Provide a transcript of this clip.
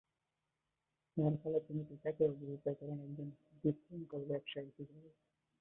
এর ফলে তিনি পিতাকে অভিহিত করেন একজন "বিশৃঙ্খল ব্যবসায়ী" হিসেবে।